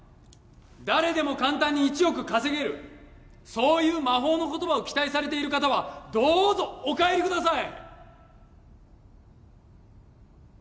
誰でも簡単に１億稼げるそういう魔法の言葉を期待されている方はどうぞお帰りください！